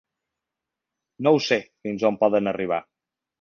No ho sé, fins on poden arribar.